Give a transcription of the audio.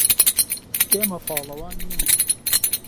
ئێمە پاڵەوان نین.